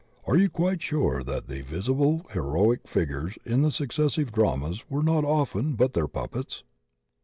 Are you quite sure that the visible heroic fig ures in the successive dramas were not often but their puppets?